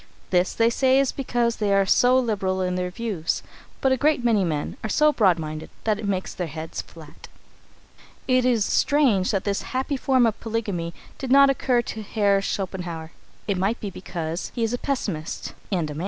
This, they say, is because they are so liberal in their views, but a great many men are so broad minded that it makes their heads flat. It is strange that this happy form of polygamy did not occur to Herr Schopenhauer. It may be because he was a pessimist and a man.